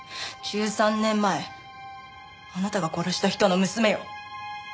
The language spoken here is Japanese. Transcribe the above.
１３年前あなたが殺した人の娘よ。